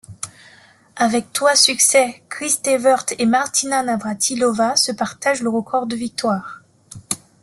Avec trois succès, Chris Evert et Martina Navrátilová se partagent le record de victoires.